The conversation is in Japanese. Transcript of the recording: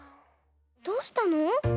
どうしたの？